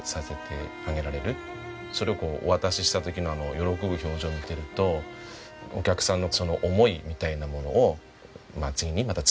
それをお渡しした時の喜ぶ表情を見てるとお客さんの思いみたいなものを次につなげていける。